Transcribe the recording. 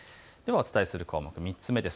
お伝えする項目３つ目です。